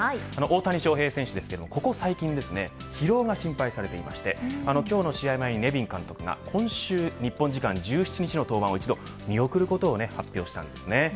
大谷翔平選手ですけどここ最近疲労が心配されていまして今日の試合前にネビン監督が今週日本時間１７日の登板を一度見送ることを発表しました。